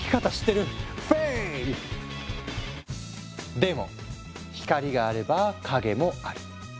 でも光があれば影もある。